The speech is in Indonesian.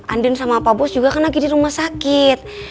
andin sama pak bos juga kan lagi di rumah sakit